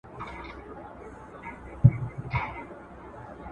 کندهار د مغلي او صفوي امپراطورۍ تر منځ یوه مهمه نښه وه.